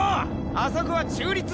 あそこは中立地帯。